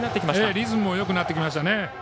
リズムがよくなってきましたね。